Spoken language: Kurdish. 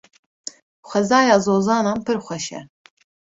Xwezaya zozanan pir xweş e.